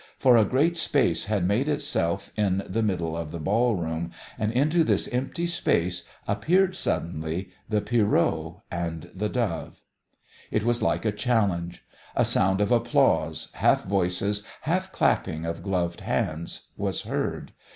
For a great space had made itself in the middle of the ball room, and into this empty space appeared suddenly the Pierrot and the Dove. It was like a challenge. A sound of applause, half voices, half clapping of gloved hands, was heard.